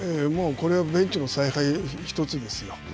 これはベンチの采配１つですよ。